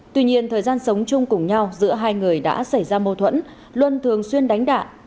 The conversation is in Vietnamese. tuy nhiên thời gian sống chung cùng nhau giữa hai người đã xảy ra mâu thuẫn